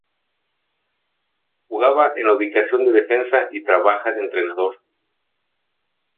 Jugaba en la ubicación de defensa y trabaja de entrenador.